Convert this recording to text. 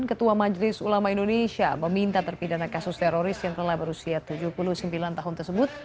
ketua majelis ulama indonesia meminta terpidana kasus teroris yang telah berusia tujuh puluh sembilan tahun tersebut